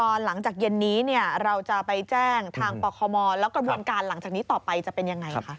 วันหลังจากเย็นนี้เราจะไปแจ้งทางปคมและกรณวงการหลังจากนี้ต่อไปจะเป็นอย่างไรคะ